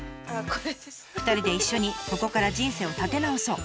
「２人で一緒にここから人生を立て直そう」。